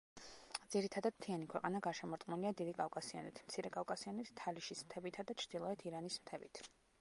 ძირითადად მთიანი ქვეყანა გარშემორტყმულია დიდი კავკასიონით, მცირე კავკასიონით, თალიშის მთებითა და ჩრდილოეთ ირანის მთებით.